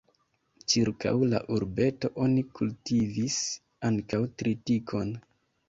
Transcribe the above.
Ĉirkaŭ la urbeto oni kultivis ankaŭ tritikon.